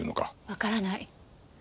わからない。